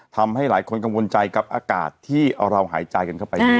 ทำให้หลายคนกังวลใจกับอากาศที่เราหายใจกันเข้าไป